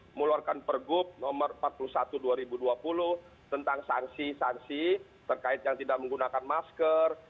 mengeluarkan pergub nomor empat puluh satu dua ribu dua puluh tentang sanksi sanksi terkait yang tidak menggunakan masker